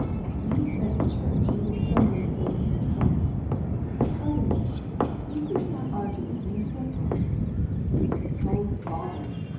You said a Church was an aasemhly of faithful people. Pardon me, is not this argmng in a circle ?" "Oh bother!"